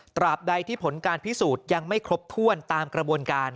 ตราบใดที่ผลการพิสูจน์ยังไม่ครบถ้วนตามกระบวนการ